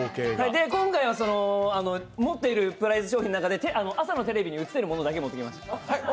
今回は持っているプライズ商品の中で朝のテレビに映せるものだけ持ってきました。